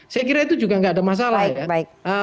saya kira itu juga nggak ada masalah ya